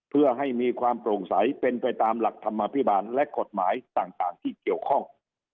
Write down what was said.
เพื่อให้มีความโปร่งใสเป็นไปตามหลักธรรมภิบาลและกฎหมายต่างที่เกี่ยวข้อง